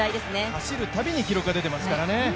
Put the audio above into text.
走るたびに記録が出ていますからね。